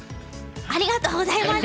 ありがとうございます！